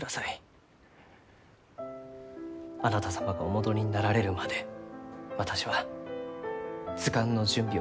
あなた様がお戻りになられるまで私は図鑑の準備を懸命に進めちょきます。